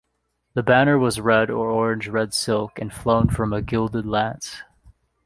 The banner was red or orange-red silk and flown from a gilded lance.